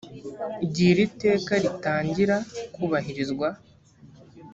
igihe iri iteka ritangira kubahirizwa